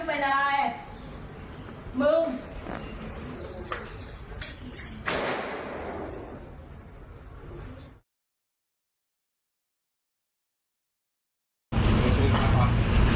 อ้าวอย่าเอามาก่อนอ่า